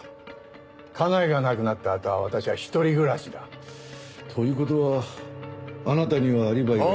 家内が亡くなったあとは私は一人暮らしだ。という事はあなたにはアリバイが。